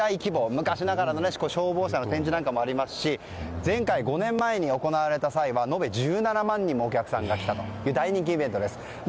昔ながらの消防車の展示などもありますし前回、５年前に行われた際には延べ１７万人もお客さんが来た大人気イベントです。